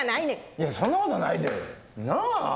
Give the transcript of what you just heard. いやそんなことないで。なあ？